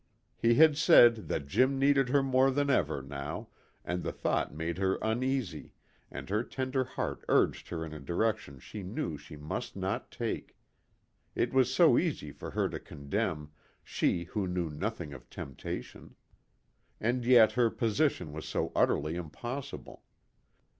He had said that Jim needed her more than ever now, and the thought made her uneasy, and her tender heart urged her in a direction she knew she must not take. It was so easy for her to condemn, she who knew nothing of temptation. And yet her position was so utterly impossible.